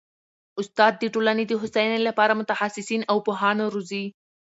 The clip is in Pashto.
استاد د ټولني د هوسايني لپاره متخصصین او پوهان روزي.